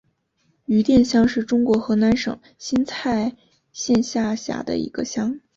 余店乡是中国河南省新蔡县下辖的一个乡。